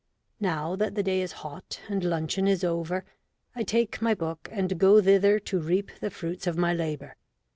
Now that the day is hot and luncheon is over, I take my book and go thither to reap the fruits of my labour.